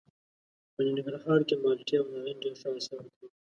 په ننګرهار کې مالټې او نارنج ډېر ښه حاصل ورکوي.